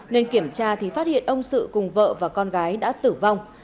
nên kiểm tra thì phát hiện ông sự cùng vợ và con gái đã tử vong